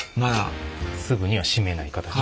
すぐには締めない形で。